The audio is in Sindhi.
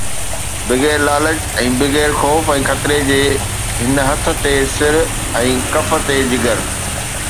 بغير لالچ ۽ بغير خوف ۽ خطري جي، هن هٿ تي سر، هن ڪف تي جگر